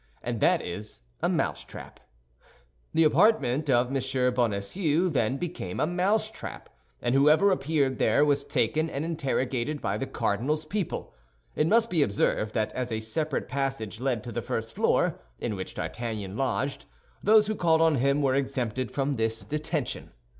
And that is a mousetrap. The apartment of M. Bonacieux, then, became a mousetrap; and whoever appeared there was taken and interrogated by the cardinal's people. It must be observed that as a separate passage led to the first floor, in which D'Artagnan lodged, those who called on him were exempted from this detention.